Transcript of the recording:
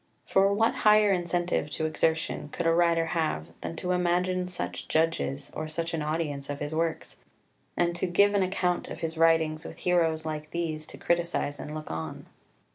For what higher incentive to exertion could a writer have than to imagine such judges or such an audience of his works, and to give an account of his writings with heroes like these to criticise and look on?